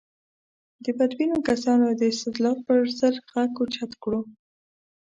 د بدبینو کسانو د استدلال پر ضد غږ اوچت کړو.